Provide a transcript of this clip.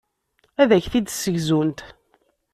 Ad ak-t-id-ssegzunt.